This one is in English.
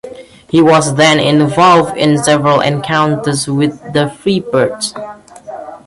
He was then involved in several encounters with The Freebirds.